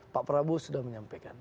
pak prabowo sudah menyampaikan